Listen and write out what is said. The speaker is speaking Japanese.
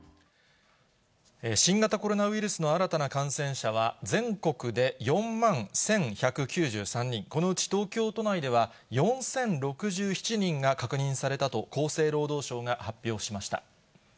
新型コロナウイルスの新たな感染者は全国で４万１１９３人、このうち東京都内では、４０６７人が確認されたと厚生労働省が発表しました。